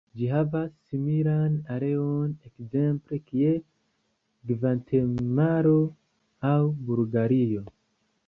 Ĝi havas similan areon ekzemple kiel Gvatemalo aŭ Bulgario.